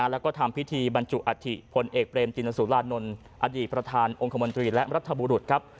แล้วก็ทำพิธีบรรจุอัฐิพลเอกเบรมตินสุรานนท์อดีตประธานองค์คมนตรีและรัฐบุรุษครับ